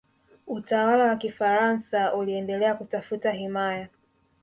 utawala wa kifaransa uliendelea kutafuta himaya